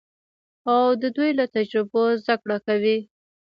او د دوی له تجربو زده کړه کوي.